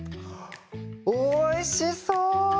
おいしそう！